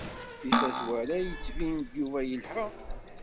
Di tazwara yettbin-d Yuba yelha.